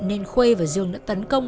nên khuê và dương đã tấn công